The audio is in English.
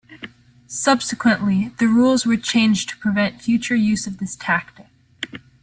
Subsequently, the rules were changed to prevent future use of this tactic.